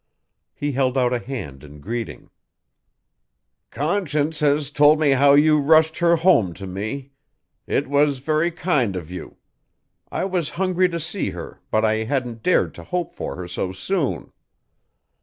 He held out a hand in greeting. "Conscience has told me how you rushed her home to me. It was very kind of you. I was hungry to see her, but I hadn't dared to hope for her so soon."